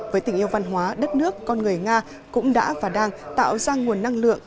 với tình yêu văn hóa đất nước con người nga cũng đã và đang tạo ra nguồn năng lượng